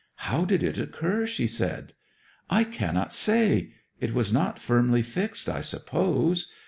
'How did it occur?' she said. 'I cannot say; it was not firmly fixed, I suppose.